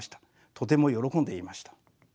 とても喜んでいました。